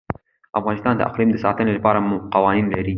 افغانستان د اقلیم د ساتنې لپاره قوانین لري.